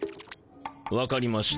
わかりました。